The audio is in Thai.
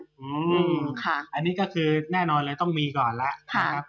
อืมอันนี้ก็คือแน่นอนเลยต้องมีก่อนละ